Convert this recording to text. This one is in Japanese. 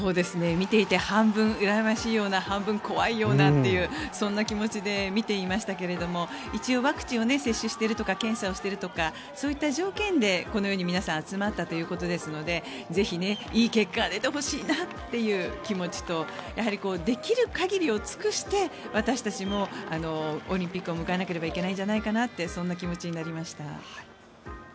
見ていて半分うらやましいような半分怖いようなっていうそんな気持ちで見ていましたけどワクチンを接種しているとか検査しているとかそういった条件でこのように皆さん集まったということですのでぜひ、いい結果が出てほしいなという気持ちとやはり、できる限りを尽くして私たちもオリンピックを迎えなければいけないんじゃないかなとそんな気持ちになりました。